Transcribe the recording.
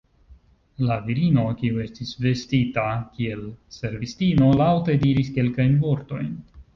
La virino, kiu estis vestita kiel servistino, laŭte diris kelkajn vortojn.